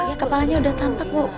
ya kepalanya udah tampak bu